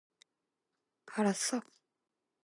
알았어.